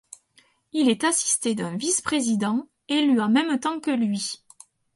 Il est assisté d'un vice-président, élu en même temps que lui.